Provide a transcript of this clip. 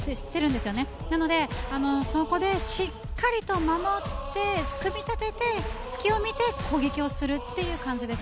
なので、そこでしっかりと守って組み立てて隙を見て攻撃をするという感じです。